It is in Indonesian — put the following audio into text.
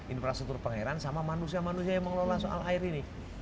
infrastruktur pengairan sama manusia manusia yang mengelola soal air ini